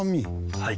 はい。